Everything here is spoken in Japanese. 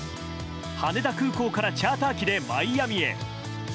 羽田空港からチャーター機でマイアミへ。